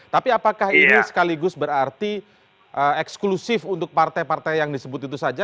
tapi apakah ini sekaligus berarti eksklusif untuk partai partai yang disebut itu saja